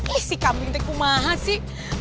ih si kambing tekum mahasih